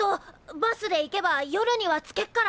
バスで行けば夜には着けっから。